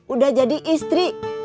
udah jadi istri